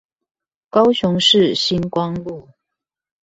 高雄市新光路